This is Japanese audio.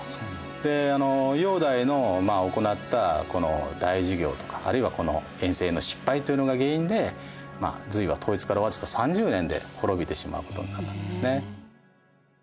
煬帝の行ったこの大事業とかあるいはこの遠征の失敗というのが原因で隋は統一から僅か３０年で滅びてしまうことになったんですね。